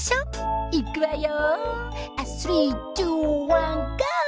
いくわよ。